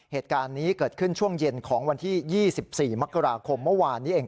เหตุการณ์นี้เกิดขึ้นช่วงเย็นของวันที่๒๔มกราคมเมื่อวานนี้เอง